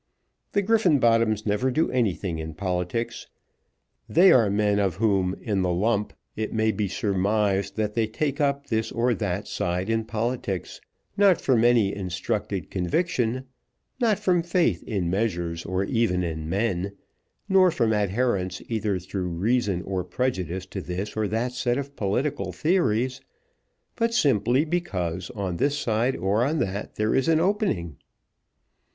The Griffenbottoms never do anything in politics. They are men of whom in the lump it may be surmised that they take up this or that side in politics, not from any instructed conviction, not from faith in measures or even in men, nor from adherence either through reason or prejudice to this or that set of political theories, but simply because on this side or on that there is an opening.